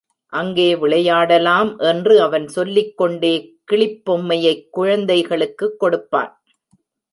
அங்கே விளையாடலாம் என்று அவன் சொல்லிக்கொண்டே கிளிப்பொம்மையைக் குழந்தைகளுக்குக் கொடுப்பான்.